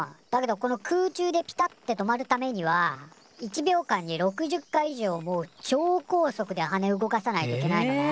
どこの空中でピタって止まるためには１秒間に６０回以上もうちょう高速で羽動かさないといけないのね。